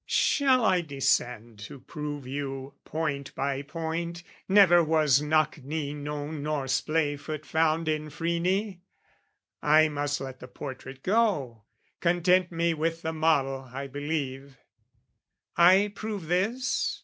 Shall I descend to prove you, point by point, Never was knock knee known nor splay foot found In Phryne? (I must let the portrait go, Content me with the model, I believe) I prove this?